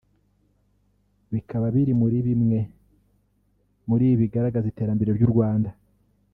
bikaba biri muri bimwe mu bigaragaza iterambere ry’u Rwanda